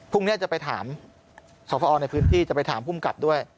พรุ่งนี้จะไปถามสอบพอในพื้นที่จะไปถามภูมิกับด้วย